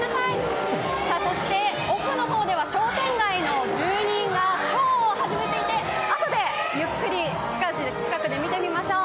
そして、奥の方では商店街の住人がショーを始めていて、あとでゆっくり近くで見てみましょう。